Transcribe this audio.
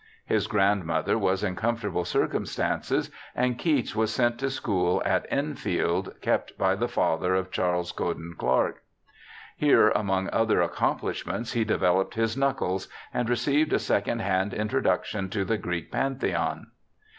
His grandmother was in comfortable cir cumstances, and Keats was sent to a school at Enfield, kept by the father of Charles Cowden Clarke. Here among other accomplishments he developed his knuckles, and received a second hand introduction to the Greek Pantheon.